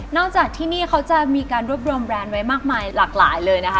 จากที่นี่เขาจะมีการรวบรวมแบรนด์ไว้มากมายหลากหลายเลยนะคะ